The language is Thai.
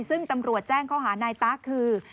ซึ่งตำรวจแจ้งข้อหานายตะคือ